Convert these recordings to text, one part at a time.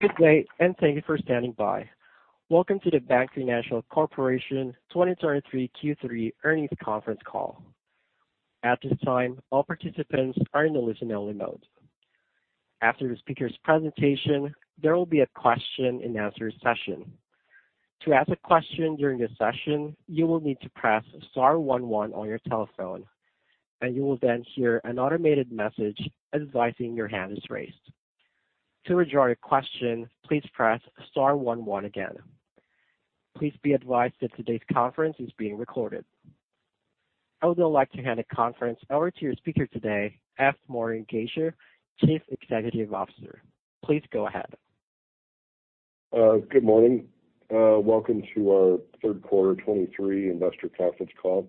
Good day, and thank you for standing by. Welcome to the BankFinancial Corporation 2023 Q3 Earnings Conference Call. At this time, all participants are in the listen-only mode. After the speaker's presentation, there will be a question-and-answer session. To ask a question during the session, you will need to press star one one on your telephone, and you will then hear an automated message advising your hand is raised. To withdraw your question, please press star one one again. Please be advised that today's conference is being recorded. I would now like to hand the conference over to your speaker today, F. Morgan Gasior, Chief Executive Officer. Please go ahead. Good morning. Welcome to our Third Quarter 2023 Investor Conference Call.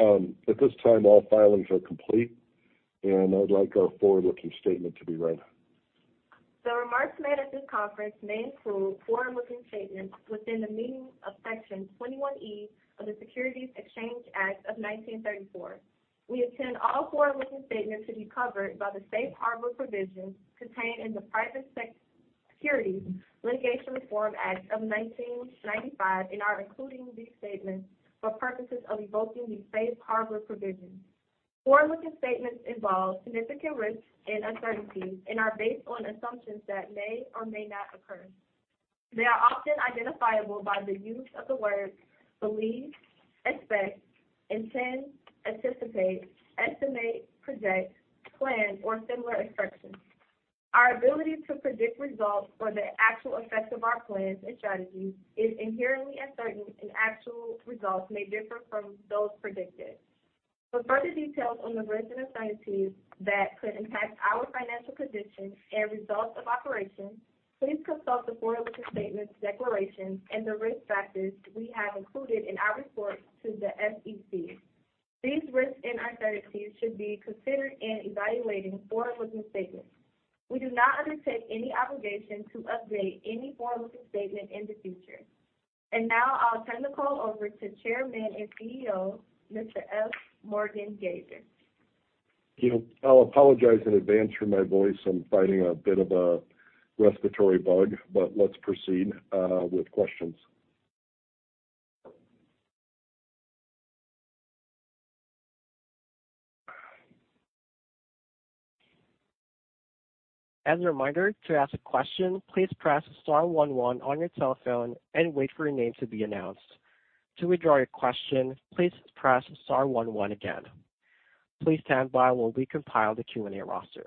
At this time, all filings are complete, and I'd like our forward-looking statement to be read. The remarks made at this conference may include forward-looking statements within the meanings of Section 21E of the Securities Exchange Act of 1934. We intend all forward-looking statements to be covered by the safe harbor provisions contained in the Private Securities Litigation Reform Act of 1995 and are including these statements for purposes of invoking these safe harbor provisions. Forward-looking statements involve significant risks and uncertainties and are based on assumptions that may or may not occur. They are often identifiable by the use of the words believe, expect, intend, anticipate, estimate, project, plan, or similar expressions. Our ability to predict results or the actual effects of our plans and strategies is inherently uncertain, and actual results may differ from those predicted. For further details on the risks and uncertainties that could impact our financial position and results of operations, please consult the forward-looking statements, declarations, and the risk factors we have included in our report to the SEC. These risks and uncertainties should be considered in evaluating forward-looking statements. We do not undertake any obligation to update any forward-looking statement in the future. Now I'll turn the call over to Chairman and CEO, Mr. F. Morgan Gasior. You know, I'll apologize in advance for my voice. I'm fighting a bit of a respiratory bug, but let's proceed with questions. As a reminder, to ask a question, please press star one one on your telephone and wait for your name to be announced. To withdraw your question, please press star one one again. Please stand by while we compile the Q&A roster.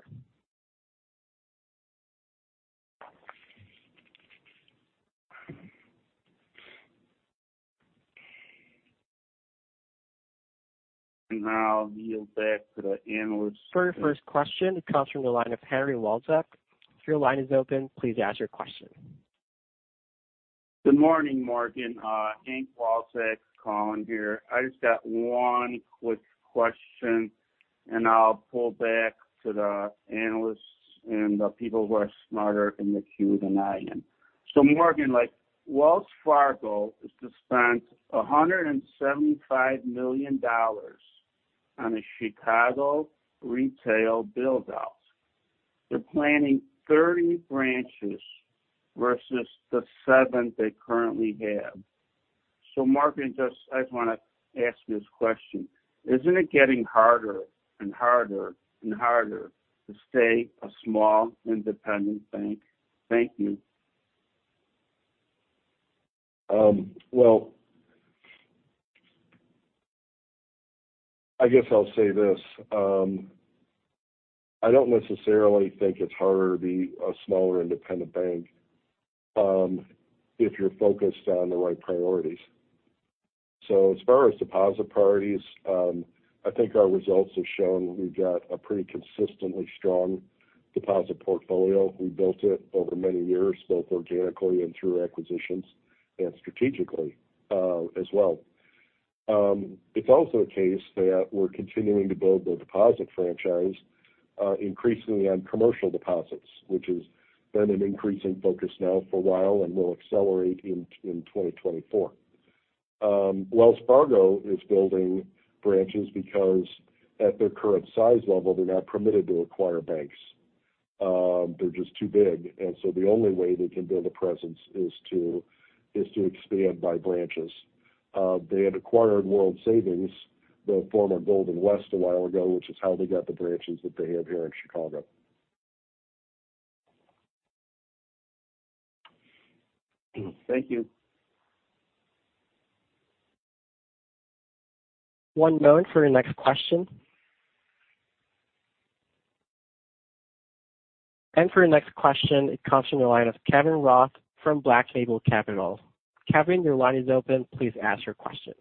Now I'll yield back to the analysts. For your first question, it comes from the line of Henry Walczak. If your line is open, please ask your question. Good morning, Morgan. Hank Walczak calling here. I just got one quick question, and I'll pull back to the analysts and the people who are smarter in the queue than I am. So Morgan, like, Wells Fargo is to spend $175 million on a Chicago retail build-out. They're planning 30 branches versus the 7 they currently have. So Morgan, just I just wanna ask this question: Isn't it getting harder and harder and harder to stay a small, independent bank? Thank you. Well, I guess I'll say this. I don't necessarily think it's harder to be a smaller independent bank, if you're focused on the right priorities. So as far as deposit priorities, I think our results have shown we've got a pretty consistently strong deposit portfolio. We built it over many years, both organically and through acquisitions and strategically, as well. It's also a case that we're continuing to build the deposit franchise, increasingly on commercial deposits, which has been an increasing focus now for a while and will accelerate in 2024. Wells Fargo is building branches because, at their current size level, they're not permitted to acquire banks. They're just too big, and so the only way they can build a presence is to expand by branches. They had acquired World Savings, the former Golden West, a while ago, which is how they got the branches that they have here in Chicago. Thank you. One moment for your next question. And for your next question, it comes from the line of Kevin Roth from Black Label Capital. Kevin, your line is open. Please ask your question.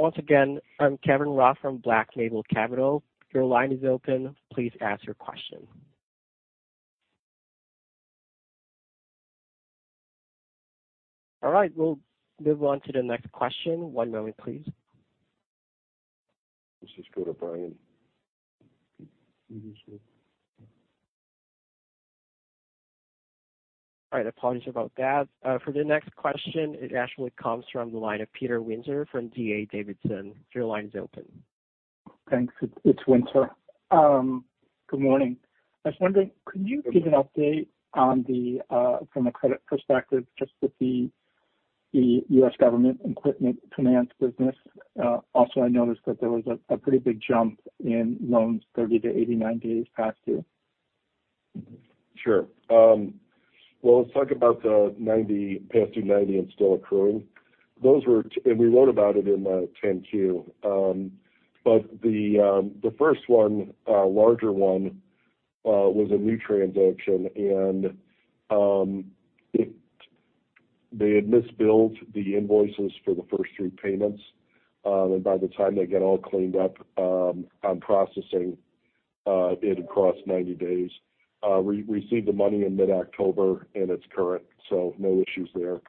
Once again, I'm Kevin Roth from Black Label Capital. Your line is open. Please ask your question. All right, we'll move on to the next question. One moment, please. Let's just go to Brian. All right, apologies about that. For the next question, it actually comes from the line of Peter Winter from D.A. Davidson. Your line is open. Thanks. It's Winter. Good morning. I was wondering, could you give an update from a credit perspective just with the U.S. government equipment finance business? Also, I noticed that there was a pretty big jump in loans, 30-89 days past due. Sure. Well, let's talk about the 90, past due 90 and still accruing. Those were- and we wrote about it in the 10-Q. But the, the first one, larger one, was a RE transaction. And, it- they had mis-billed the invoices for the first 3 payments, and by the time they get all cleaned up, on processing, it had crossed 90 days. We, we received the money in mid-October, and it's current, so no issues there.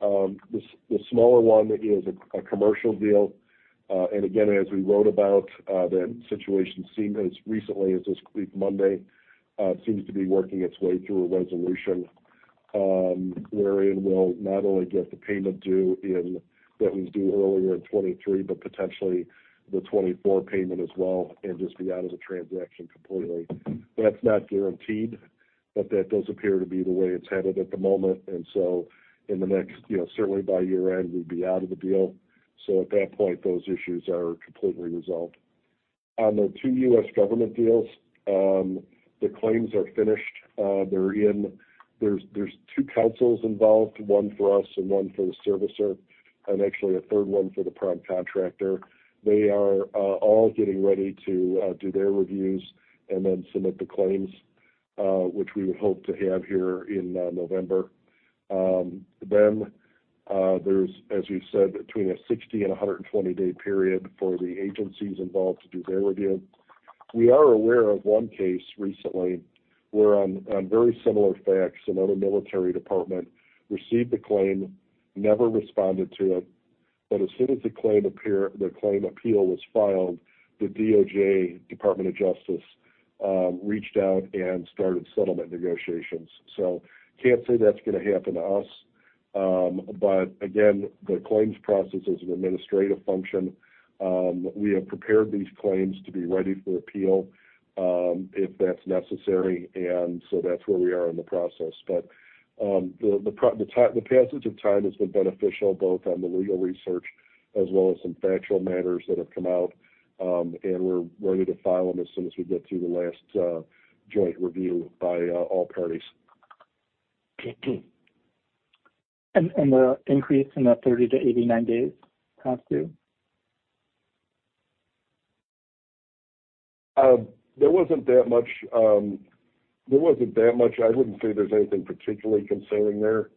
The smaller one is a commercial deal, and again, as we wrote about, the situation seemed as recently as this week, Monday, seems to be working its way through a resolution, wherein we'll not only get the payment due in what was due earlier in 2023, but potentially the 2024 payment as well, and just be out of the transaction completely. That's not guaranteed, but that does appear to be the way it's headed at the moment. And so in the next, you know, certainly by year-end, we'd be out of the deal. So at that point, those issues are completely resolved. On the two U.S. government deals, the claims are finished. They're in. There's two counsels involved, one for us and one for the servicer, and actually a third one for the prime contractor. They are all getting ready to do their reviews and then submit the claims, which we would hope to have here in November. Then, there's, as we've said, between a 60- and 120-day period for the agencies involved to do their review. We are aware of one case recently, where on very similar facts, another military department received the claim, never responded to it, but as soon as the claim appeal was filed, the DOJ, Department of Justice, reached out and started settlement negotiations. So can't say that's gonna happen to us. But again, the claims process is an administrative function. We have prepared these claims to be ready for appeal, if that's necessary, and so that's where we are in the process. But, the passage of time has been beneficial, both on the legal research as well as some factual matters that have come out, and we're ready to file them as soon as we get through the last joint review by all parties. The increase in the 30-89 days past due? There wasn't that much, there wasn't that much. I wouldn't say there's anything particularly concerning there.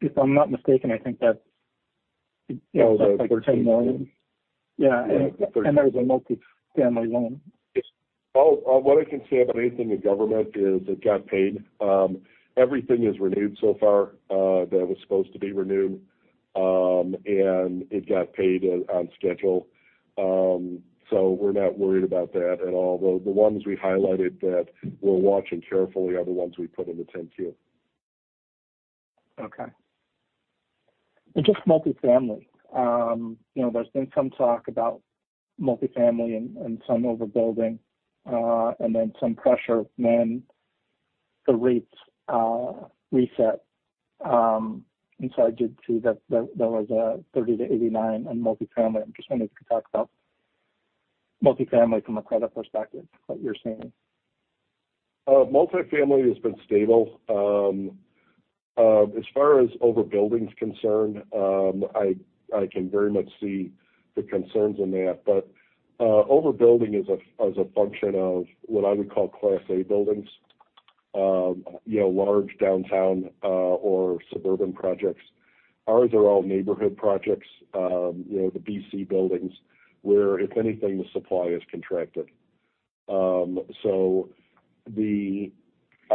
If I'm not mistaken, I think that's— Oh, the— Yeah, and there's a multifamily loan. Oh, what I can say about anything with government is it got paid. Everything is renewed so far, that was supposed to be renewed, and it got paid on schedule. So we're not worried about that at all. The ones we highlighted that we're watching carefully are the ones we put in the 10-Q. Okay. And just multifamily, you know, there's been some talk about multifamily and some overbuilding, and then some pressure when the rates reset. And so I did see that there was a 30-89 on multifamily. I'm just wondering if you could talk about multifamily from a credit perspective, what you're seeing? Multifamily has been stable. As far as overbuilding is concerned, I can very much see the concerns in that. But overbuilding is a function of what I would call Class A buildings. You know, large downtown or suburban projects. Ours are all neighborhood projects, you know, the BC buildings, where, if anything, the supply is contracted. So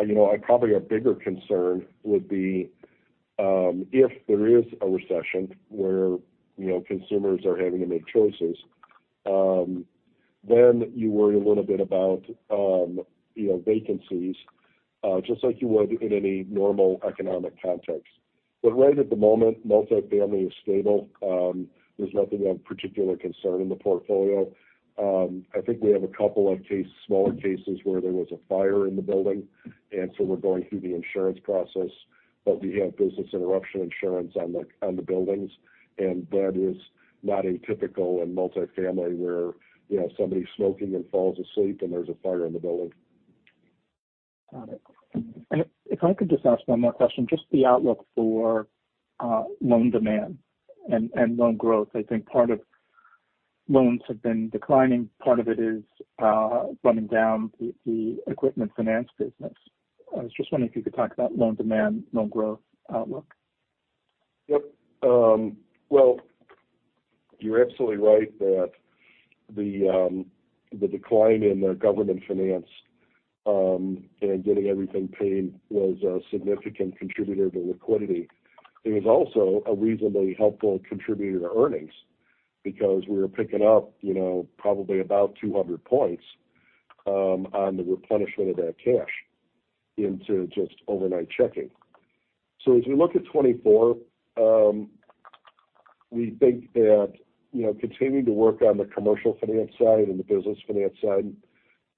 you know, probably a bigger concern would be if there is a recession where, you know, consumers are having to make choices, then you worry a little bit about you know, vacancies just like you would in any normal economic context. But right at the moment, multifamily is stable. There's nothing of particular concern in the portfolio. I think we have a couple of cases, smaller cases, where there was a fire in the building, and so we're going through the insurance process, but we have business interruption insurance on the buildings. That is not atypical in multifamily, where, you know, somebody's smoking and falls asleep, and there's a fire in the building. Got it. And if, if I could just ask one more question, just the outlook for, loan demand and, and loan growth. I think part of loans have been declining. Part of it is, running down the, the equipment finance business. I was just wondering if you could talk about loan demand, loan growth outlook. Yep. Well, you're absolutely right that the decline in the government finance and getting everything paid was a significant contributor to liquidity. It was also a reasonably helpful contributor to earnings because we were picking up, you know, probably about 200 points on the replenishment of that cash into just overnight checking. So as we look at 2024, we think that, you know, continuing to work on the commercial finance side and the business finance side,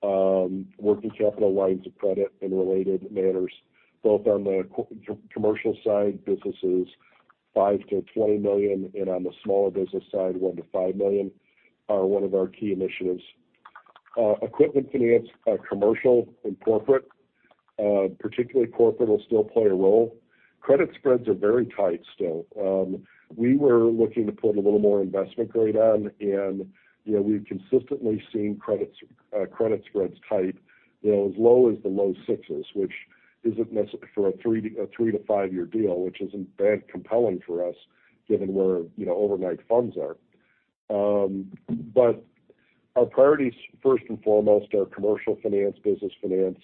working capital lines of credit and related matters, both on the commercial side, businesses 5-20 million, and on the smaller business side, 1-5 million, are one of our key initiatives. Equipment finance, commercial and corporate, particularly corporate, will still play a role. Credit spreads are very tight still. We were looking to put a little more investment grade on, and, you know, we've consistently seen credits, credit spreads tight, you know, as low as the low 6%s, which isn't necessarily for a 3-to-5-year deal, which isn't that compelling for us, given where, you know, overnight funds are. But our priorities, first and foremost, are commercial finance, business finance,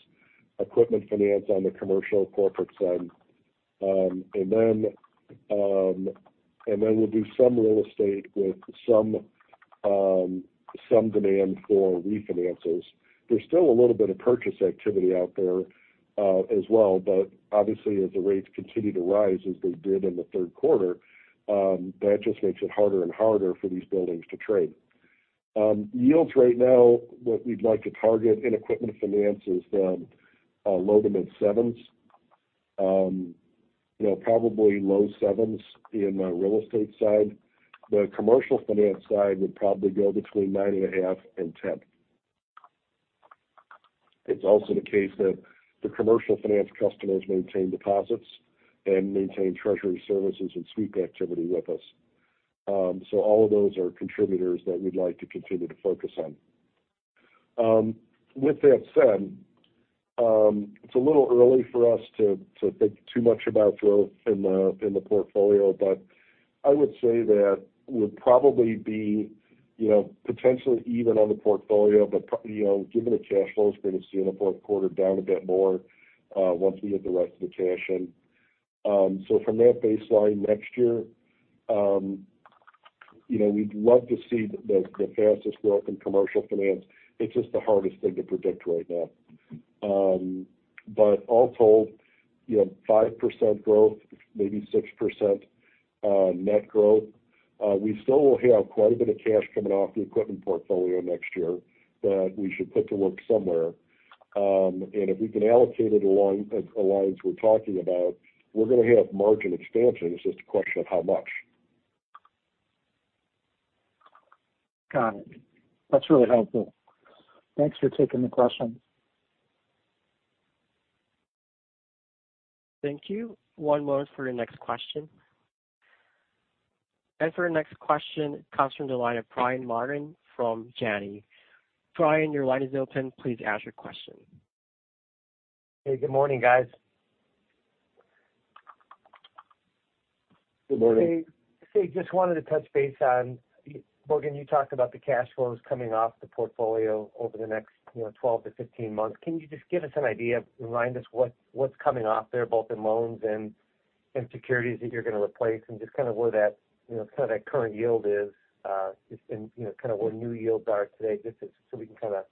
equipment finance on the commercial corporate side. And then we'll do some real estate with some demand for refinances. There's still a little bit of purchase activity out there, as well, but obviously, as the rates continue to rise, as they did in the third quarter, that just makes it harder and harder for these buildings to trade. Yields right now, what we'd like to target in equipment finance is low to mid-7%s. You know, probably low 7s in the real estate side. The commercial finance side would probably go between 9.5 and 10. It's also the case that the commercial finance customers maintain deposits and maintain treasury services and sweep activity with us. So all of those are contributors that we'd like to continue to focus on. With that said, it's a little early for us to think too much about growth in the portfolio, but I would say that we'll probably be, you know, potentially even on the portfolio. But you know, given the cash flow spread we've seen in the fourth quarter, down a bit more once we get the rest of the cash in. So from that baseline next year, you know, we'd love to see the fastest growth in commercial finance. It's just the hardest thing to predict right now. But all told, you know, 5% growth, maybe 6%, net growth. We still will have quite a bit of cash coming off the equipment portfolio next year that we should put to work somewhere. And if we can allocate it along lines we're talking about, we're going to have margin expansion. It's just a question of how much. Got it. That's really helpful. Thanks for taking the question. Thank you. One moment for your next question. For your next question, comes from the line of Brian Martin from Janney. Brian, your line is open. Please ask your question. Hey, good morning, guys. Good morning. Hey, just wanted to touch base on, Morgan, you talked about the cash flows coming off the portfolio over the next, you know, 12-15 months. Can you just give us an idea, remind us what, what's coming off there, both in loans and securities that you're going to replace, and just kind of where that, you know, kind of that current yield is, just in, you know, kind of where new yields are today, just so we can kind of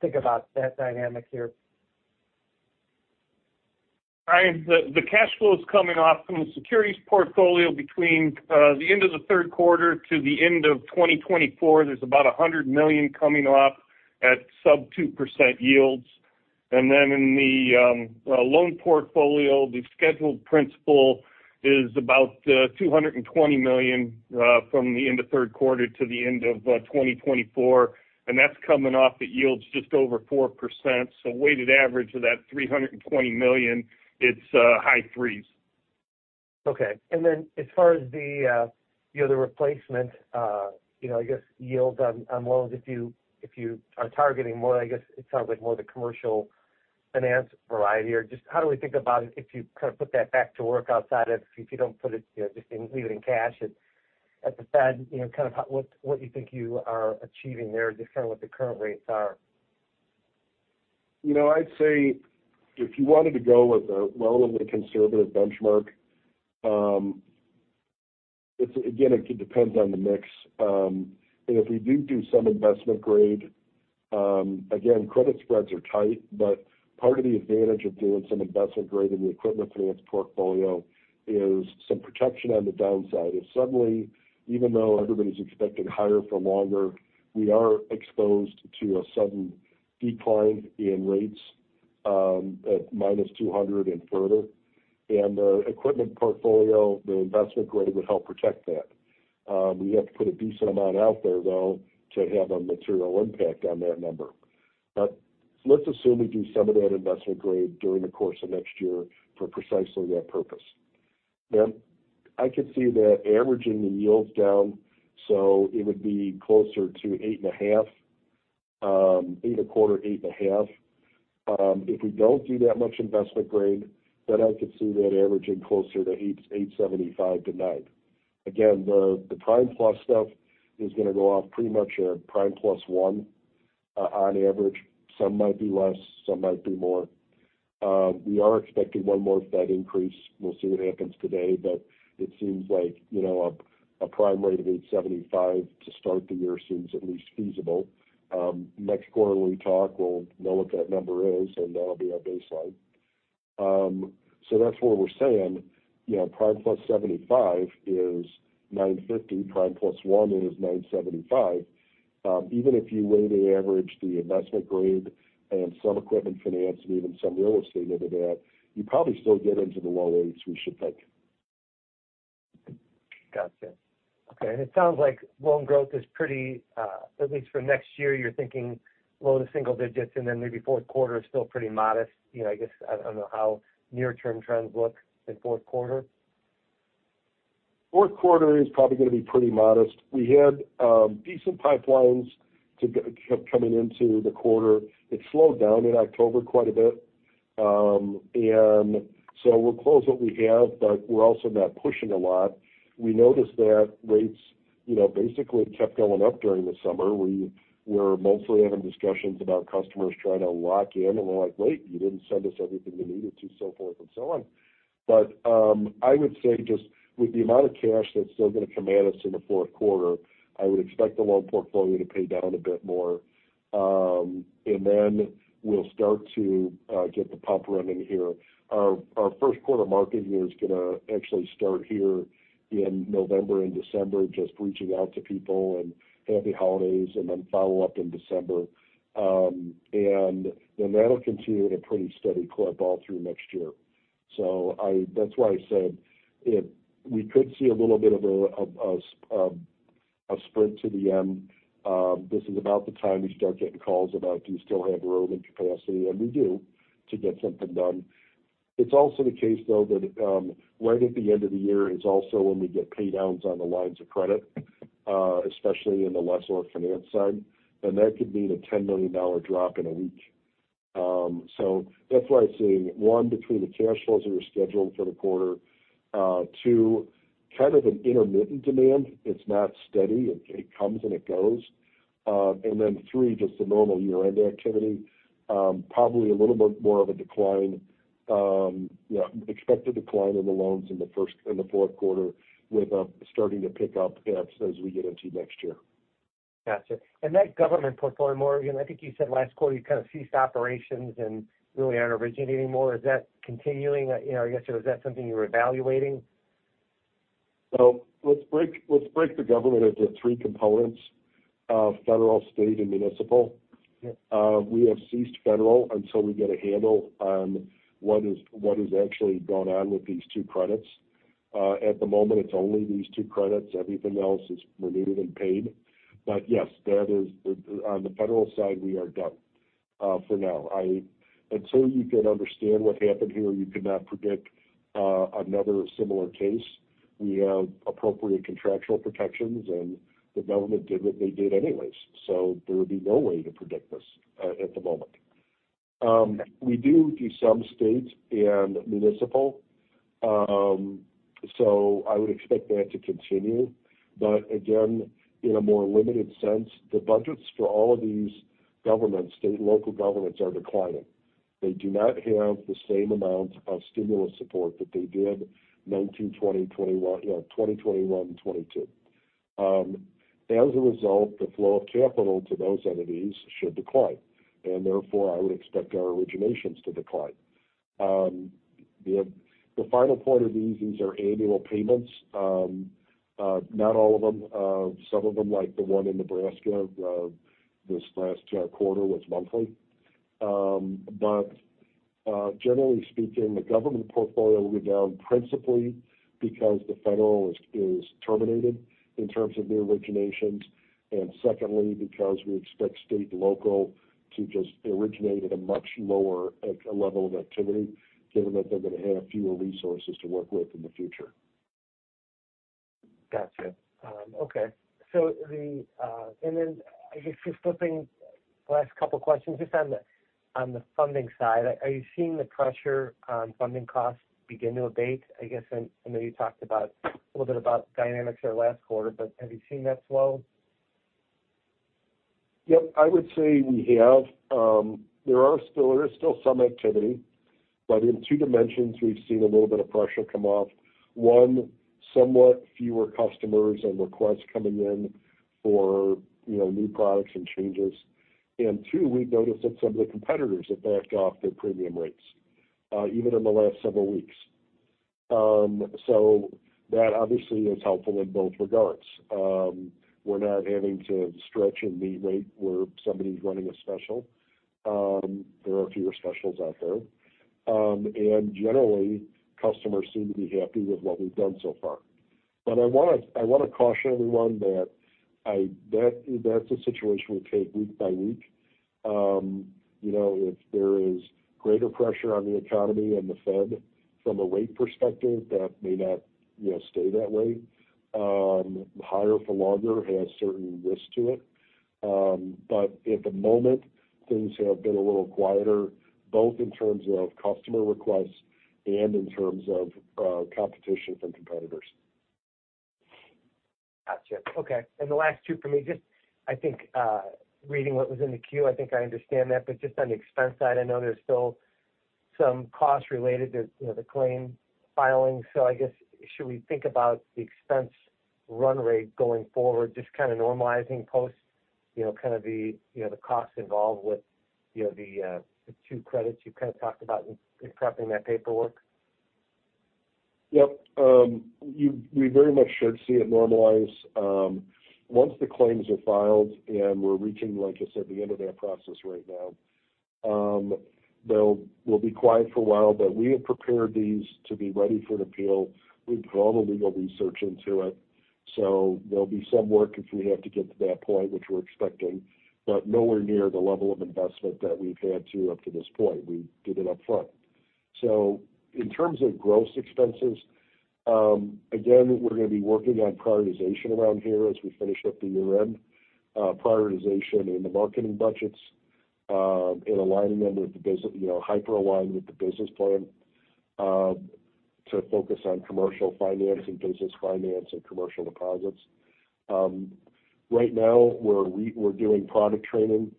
think about that dynamic here? Brian, the cash flows coming off from the securities portfolio between the end of the third quarter to the end of 2024, there's about $100 million coming off at sub 2% yields. And then in the loan portfolio, the scheduled principal is about $220 million from the end of third quarter to the end of 2024, and that's coming off at yields just over 4%. So weighted average of that $320 million, it's high threes. Okay. And then as far as the, you know, the replacement, you know, I guess, yields on loans, if you are targeting more, I guess, it sounds like more the commercial finance variety or just how do we think about it if you kind of put that back to work outside of, if you don't put it, you know, just leave it in cash, at the Fed, you know, kind of how, what you think you are achieving there, just kind of what the current rates are? You know, I'd say if you wanted to go with a relatively conservative benchmark, it's again, it depends on the mix. And if we do do some investment grade, again, credit spreads are tight, but part of the advantage of doing some investment grade in the equipment finance portfolio is some protection on the downside. If suddenly, even though everybody's expecting higher for longer, we are exposed to a sudden decline in rates, at -200 and further, and our equipment portfolio, the investment grade, would help protect that. We have to put a decent amount out there, though, to have a material impact on that number. But let's assume we do some of that investment grade during the course of next year for precisely that purpose. Then I could see that averaging the yields down, so it would be closer to 8.5, eight and a quarter, 8.5. If we don't do that much investment grade, then I could see that averaging closer to 8, 8.75-9—again, the, the prime-plus stuff is going to go off pretty much at prime-plus one, on average. Some might be less, some might be more. We are expecting one more Fed increase. We'll see what happens today, but it seems like, you know, a, a prime rate of 8.75 to start the year seems at least feasible. Next quarter we talk, we'll know what that number is, and that'll be our baseline. So that's why we're saying, you know, prime-plus 75 is 9.50, prime-plus one is 9.75. Even if you weighted average the investment grade and some equipment finance and even some real estate into that, you probably still get into the low 8s, we should think. Got you. Okay, and it sounds like loan growth is pretty, at least for next year, you're thinking low to single digits, and then maybe fourth quarter is still pretty modest. You know, I guess, I don't know how near-term trends look in fourth quarter? Fourth quarter is probably going to be pretty modest. We had decent pipelines coming into the quarter. It slowed down in October quite a bit. And so we'll close what we have, but we're also not pushing a lot. We noticed that rates, you know, basically kept going up during the summer. We were mostly having discussions about customers trying to lock in, and we're like, "Wait, you didn't send us everything we needed to," so forth and so on. But I would say just with the amount of cash that's still going to come at us in the fourth quarter, I would expect the loan portfolio to pay down a bit more. And then we'll start to get the pump running here. Our first quarter market here is going to actually start here in November and December, just reaching out to people and happy holidays, and then follow up in December. And then that'll continue at a pretty steady clip all through next year. So I—that's why I said if we could see a little bit of a sprint to the end, this is about the time you start getting calls about, do you still have room and capacity? And we do, to get something done. It's also the case, though, that right at the end of the year is also when we get pay downs on the lines of credit, especially in the Lessor Finance side, then that could mean a $10 million drop in a week. So that's why I say, one, between the cash flows that are scheduled for the quarter, two, kind of an intermittent demand. It's not steady. It comes and it goes. And then three, just the normal year-end activity. Probably a little bit more of a decline, yeah, expected decline in the loans in the first - in the fourth quarter, with starting to pick up as we get into next year. Gotcha. And that government portfolio, Morgan, I think you said last quarter, you kind of ceased operations and really aren't originating more. Is that continuing? You know, I guess, or is that something you're evaluating? Let's break the government into three components: federal, state, and municipal. Yeah. We have ceased federal until we get a handle on what is actually going on with these two credits. At the moment, it's only these two credits. Everything else is renewed and paid. But yes, that is on the federal side, we are done for now. Until you can understand what happened here, you cannot predict another similar case. We have appropriate contractual protections, and the government did what they did anyways. So there would be no way to predict this at the moment. We do do some state and municipal, so I would expect that to continue. But again, in a more limited sense, the budgets for all of these governments, state and local governments, are declining. They do not have the same amount of stimulus support that they did 2019, 2020, 2021, you know, 2021, 2022. As a result, the flow of capital to those entities should decline, and therefore, I would expect our originations to decline. The final part of these, these are annual payments. Not all of them. Some of them, like the one in Nebraska, this last quarter, was monthly. But generally speaking, the government portfolio will be down principally because the federal is terminated in terms of new originations, and secondly, because we expect state and local to just originate at a much lower level of activity, given that they're going to have fewer resources to work with in the future. Gotcha. Okay. So, then, I guess, just flipping last couple of questions, just on the funding side, are you seeing the pressure on funding costs begin to abate? I guess, and then you talked about a little bit about dynamics there last quarter, but have you seen that slow? Yep, I would say we have. There are still, there is still some activity, but in two dimensions, we've seen a little bit of pressure come off. One, somewhat fewer customers and requests coming in for, you know, new products and changes. And two, we've noticed that some of the competitors have backed off their premium rates, even in the last several weeks. So that obviously is helpful in both regards. We're not having to stretch and meet rate where somebody's running a special. There are fewer specials out there. And generally, customers seem to be happy with what we've done so far. But I wanna, I wanna caution everyone that, that's a situation we'll take week by week. You know, if there is greater pressure on the economy and the Fed from a rate perspective, that may not, you know, stay that way. Higher for longer has certain risk to it. But at the moment, things have been a little quieter, both in terms of customer requests and in terms of competition from competitors. Gotcha. Okay, and the last two for me, just I think, reading what was in the queue, I think I understand that, but just on the expense side, I know there's still some costs related to, you know, the claim filing. So I guess, should we think about the expense run rate going forward, just kind of normalizing post, you know, kind of the, you know, the costs involved with, you know, the, the two credits you kind of talked about in prepping that paperwork? Yep. You—we very much should see it normalize. Once the claims are filed and we're reaching, like I said, the end of that process right now, they'll—we'll be quiet for a while, but we have prepared these to be ready for an appeal. We've done the legal research into it, so there'll be some work if we have to get to that point, which we're expecting, but nowhere near the level of investment that we've had to up to this point. We did it upfront. So in terms of gross expenses, again, we're going to be working on prioritization around here as we finish up the year-end. Prioritization in the marketing budgets, and aligning them with the business, you know, hyper align with the business plan, to focus on commercial financing, business finance, and commercial deposits. Right now, we're doing product training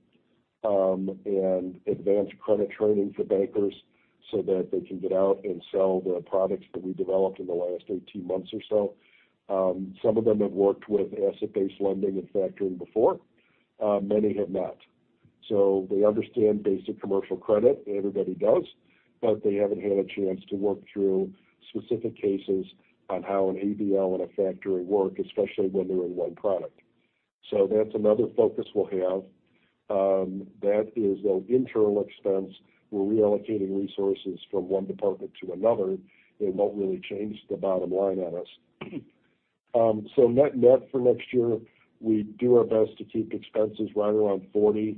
and advanced credit training for bankers so that they can get out and sell the products that we developed in the last 18 months or so. Some of them have worked with asset-based lending and factoring before, many have not. So they understand basic commercial credit, everybody does, but they haven't had a chance to work through specific cases on how an ABL and a factoring work, especially when they're in one product. So that's another focus we'll have. That is an internal expense. We're reallocating resources from one department to another. It won't really change the bottom line on us. So net-net for next year, we do our best to keep expenses right around $40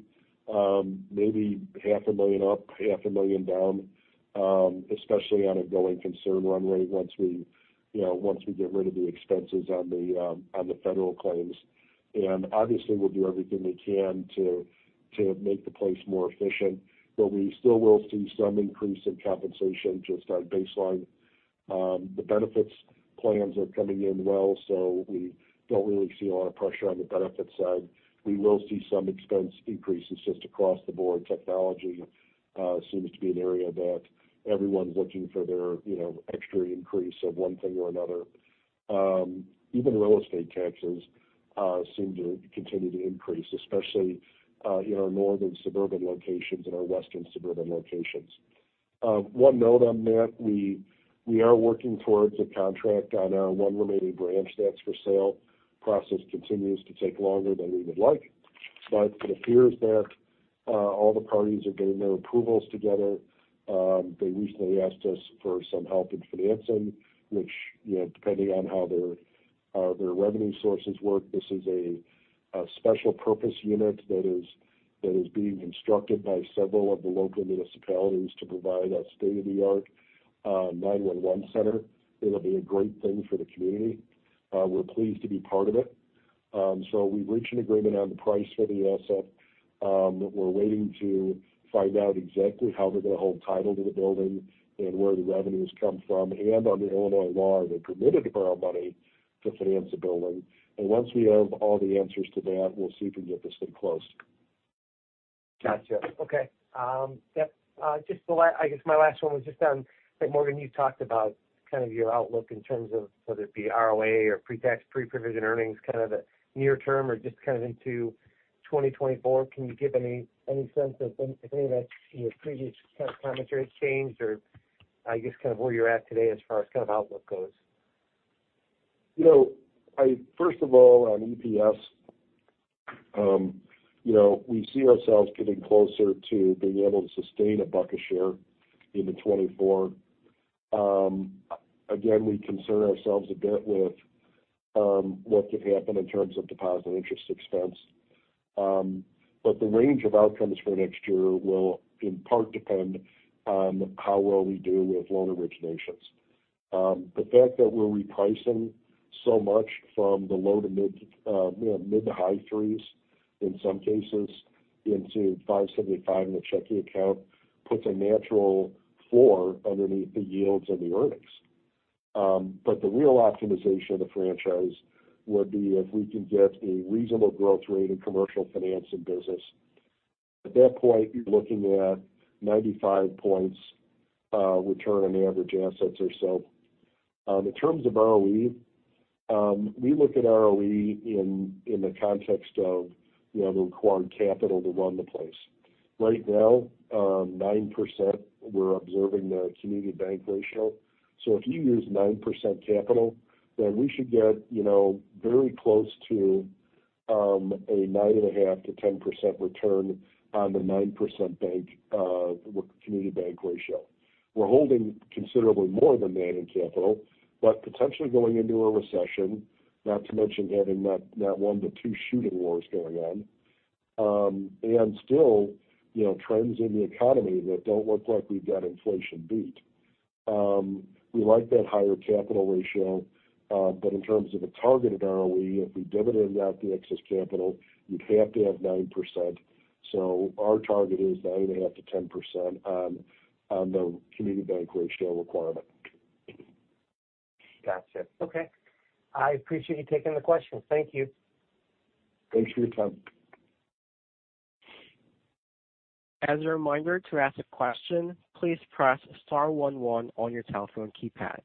million, maybe $500,000 up, $500,000 down, especially on a going concern run rate, once we, you know, once we get rid of the expenses on the, on the federal claims. Obviously, we'll do everything we can to make the place more efficient, but we still will see some increase in compensation, just on baseline. The benefits plans are coming in well, so we don't really see a lot of pressure on the benefits side. We will see some expense increases just across the board. Technology seems to be an area that everyone's looking for their, you know, extra increase of one thing or another. Even real estate taxes seem to continue to increase, especially, in our northern suburban locations and our western suburban locations. One note on that, we are working towards a contract on our one remaining branch that's for sale. Process continues to take longer than we would like, but it appears that all the parties are getting their approvals together. They recently asked us for some help in financing, which, you know, depending on how their revenue sources work, this is a special purpose unit that is being constructed by several of the local municipalities to provide a state-of-the-art 911 center. It'll be a great thing for the community. We're pleased to be part of it. So we've reached an agreement on the price for the asset. We're waiting to find out exactly how they're going to hold title to the building and where the revenues come from. And under Illinois law, they're permitted to borrow money to finance the building. And once we have all the answers to that, we'll see if we can get this thing closed. Gotcha. Okay. Yep, just the last—I guess my last one was just on, like, Morgan, you talked about kind of your outlook in terms of whether it be ROA or pre-tax, pre-provision earnings, kind of the near term or just kind of into 2024. Can you give any, any sense of if any of that, your previous kind of commentary has changed? Or I guess, kind of where you're at today as far as kind of outlook goes. You know, first of all, on EPS, you know, we see ourselves getting closer to being able to sustain $1 a share into 2024. Again, we concern ourselves a bit with what could happen in terms of deposit interest expense. But the range of outcomes for next year will in part depend on how well we do with loan originations. The fact that we're repricing so much from the low- to mid-3s, you know, mid- to high 3s in some cases, into 5.75 in a checking account, puts a natural floor underneath the yields and the earnings. But the real optimization of the franchise would be if we can get a reasonable growth rate in commercial financing business. At that point, you're looking at 95 points return on the average assets or so. In terms of ROE, we look at ROE in, in the context of, you know, the required capital to run the place. Right now, 9%, we're observing the community bank ratio. So if you use 9% capital, then we should get, you know, very close to a 9.5%-10% return on the 9% bank community bank ratio. We're holding considerably more than that in capital, but potentially going into a recession, not to mention having that one or two shooting wars going on, and still, you know, trends in the economy that don't look like we've got inflation beat. We like that higher capital ratio, but in terms of a targeted ROE, if we dividend out the excess capital, you'd have to have 9%. Our target is 9.5%-10% on the Community Bank Leverage Ratio. Gotcha. Okay. I appreciate you taking the questions. Thank you. Thanks for your time. As a reminder, to ask a question, please press star one one on your telephone keypad.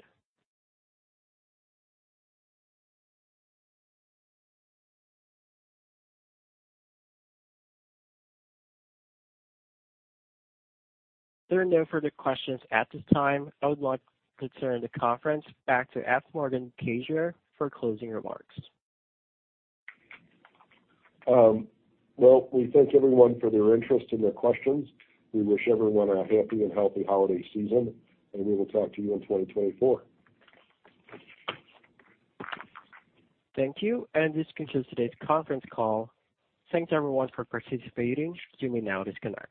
There are no further questions at this time. I would like to turn the conference back to F. Morgan Gasior for closing remarks. Well, we thank everyone for their interest and their questions. We wish everyone a happy and healthy holiday season, and we will talk to you in 2024. Thank you, and this concludes today's conference call. Thanks, everyone, for participating. You may now disconnect.